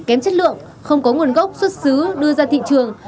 kém chất lượng không có nguồn gốc xuất xứ đưa ra thị trường